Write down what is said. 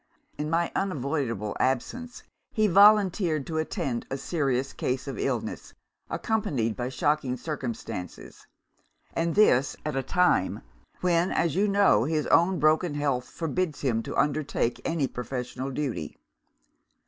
In my unavoidable absence, he volunteered to attend a serious case of illness, accompanied by shocking circumstances and this at a time when, as you know, his own broken health forbids him to undertake any professional duty.